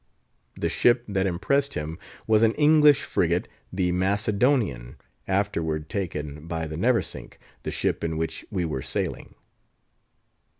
The ship that impressed him was an English frigate, the Macedonian, afterward taken by the Neversink, the ship in which we were sailing.